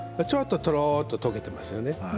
ちょっととろっと溶けていますよね。